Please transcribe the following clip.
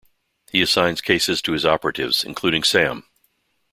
He assigns cases to his operatives, including Sam.